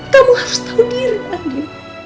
kamu harus tahu diri